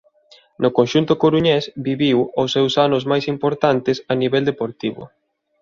No conxunto coruñés viviu os seu anos máis importantes a nivel deportivo.